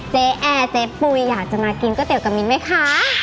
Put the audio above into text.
แอร์เจ๊ปุ๋ยอยากจะมากินก๋วเตี๋กับมิ้นไหมคะ